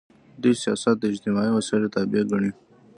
دوی سیاست د اجتماعي مسایلو تابع ګڼي.